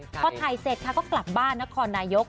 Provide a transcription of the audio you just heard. พอถ่ายเสร็จค่ะก็กลับบ้านนครนายก